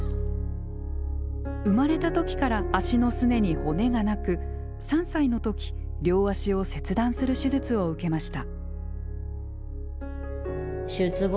生まれた時から足のすねに骨がなく３歳の時両足を切断する手術を受けました。